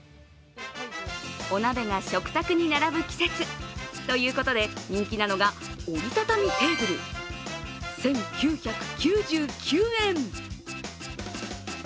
お鍋が食卓に並ぶ季節。ということで人気なのが折りたたみテーブル１９９９円。